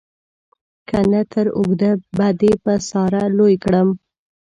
که نه تر اوږده به دې په ساره لوی کړم.